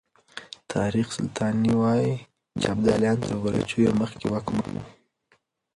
تاريخ سلطاني وايي چې ابداليان تر غلجيو مخکې واکمن وو.